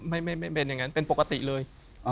ไม่เป็นอย่างนั้นเป็นปกติเลย